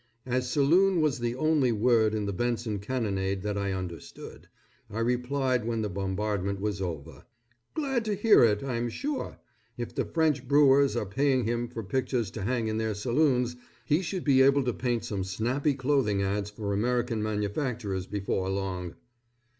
As saloon was the only word in the Benson cannonade that I understood, I replied when the bombardment was over. "Glad to hear it, I'm sure. If the French brewers are paying him for pictures to hang in their saloons, he should be able to paint some snappy clothing ads for American manufacturers before long."